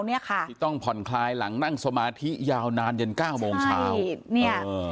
นางนั่งสมาธิยาวนานเจ็นเก้าโมงเช้า